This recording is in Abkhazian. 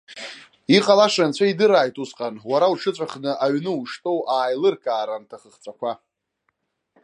Иҟалаша анцәа идырааит усҟан, уара уҽыҵәахны аҩны уштәоу ааилыркаар анҭ ахыхҵәақәа!